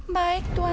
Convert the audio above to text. baik tuanku ratu